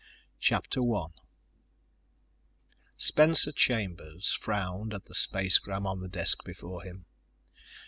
CHAPTER ONE Spencer Chambers frowned at the spacegram on the desk before him.